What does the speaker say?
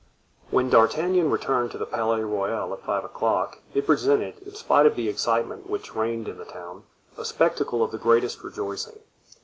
When D'Artagnan returned to the Palais Royal at five o'clock, it presented, in spite of the excitement which reigned in the town, a spectacle of the greatest rejoicing.